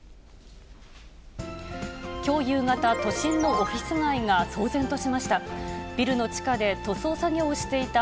きょう夕方、都心のオフィス街が騒然としました。